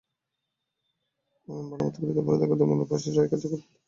মানবতাবিরোধী অপরাধী কাদের মোল্লার ফাঁসির রায় কার্যকরের মধ্য দিয়ে সেটা প্রমাণিত হলো।